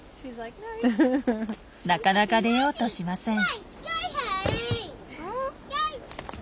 なかなか出ようとしません。